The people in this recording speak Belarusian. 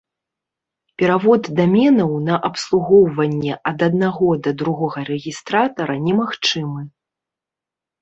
Перавод даменаў на абслугоўванне ад аднаго да другога рэгістратара немагчымы.